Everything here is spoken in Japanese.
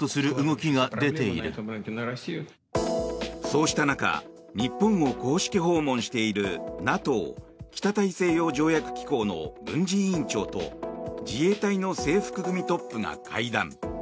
そうした中日本を公式訪問しているＮＡＴＯ・北大西洋条約機構の軍事委員長と自衛隊の制服組トップが会談。